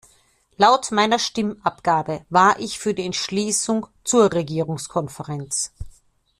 Laut meiner Stimmabgabe war ich für die Entschließung zur Regierungskonferenz.